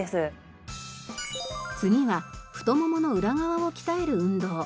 次は太ももの裏側を鍛える運動。